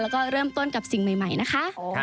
แล้วก็เริ่มต้นกับสิ่งใหม่นะคะ